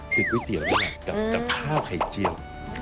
คือก๋วยเตี๋ยวแรกกับข้าวไข่เจียว